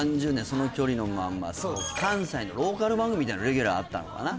その距離のまんま関西のローカル番組みたいなレギュラーあったのかな